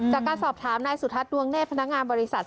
จากการสอบถามนายสุทัศน์ดวงเนธพนักงานบริษัท